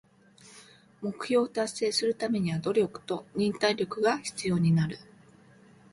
目標を達成するためには努力と忍耐力が必要になる。